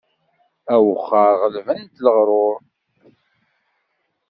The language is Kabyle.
Awexxer ɣelben-t leɣruṛ.